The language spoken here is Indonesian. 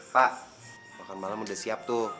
pak makan malam udah siap tuh